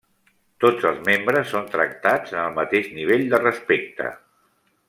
Tots els membres són tractats en el mateix nivell de respecte.